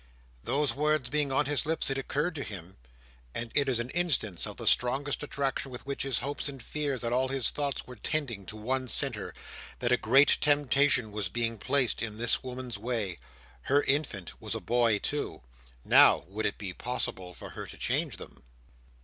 Those words being on his lips, it occurred to him—and it is an instance of the strong attraction with which his hopes and fears and all his thoughts were tending to one centre—that a great temptation was being placed in this woman's way. Her infant was a boy too. Now, would it be possible for her to change them?